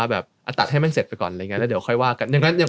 แบบอ่ะตัดให้แม่งเสร็จไปก่อนงั้นเดี๋ยวก็ก็ยังมีอีก